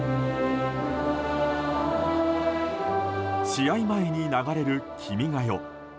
試合前に流れる「君が代」。